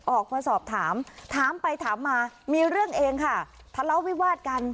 ออกมาสอบถามถามไปถามมามีเรื่องเองค่ะทะเลาะวิวาดกัน